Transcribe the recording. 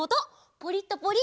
ポリッとポリ！